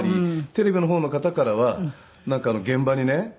テレビの方の方からはなんか現場にね